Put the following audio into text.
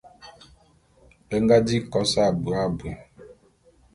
Be nga di kos abui abui.